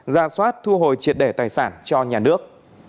ra soát thu hồi triệt đề tài sản cho nhà nước